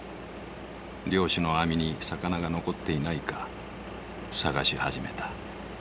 漁師の網に魚が残っていないか探し始めた。